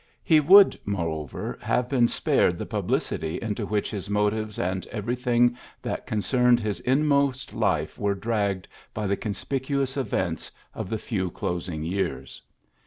He would, moreover, have been spared the publicity into which his motives and everything that concerned his inmost life were dragged by the conspicuous events of the few closing years.